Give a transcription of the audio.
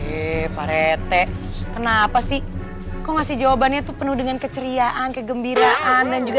eh parete kenapa sih kau ngasih jawabannya tuh penuh dengan keceriaan kegembiraan dan juga